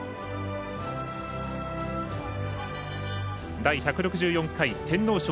第１６４回天皇賞。